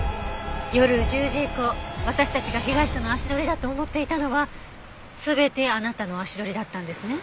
夜１０時以降私たちが被害者の足取りだと思っていたのは全てあなたの足取りだったんですね。